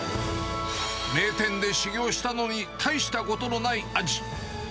名店で修業したのに大したことのない味。